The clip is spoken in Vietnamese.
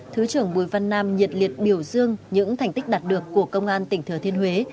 thứ trưởng bùi văn nam nhiệt liệt biểu dương những thành tích đạt được của công an tỉnh thừa thiên huế